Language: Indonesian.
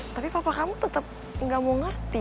tapi papa kamu tetap gak mau ngerti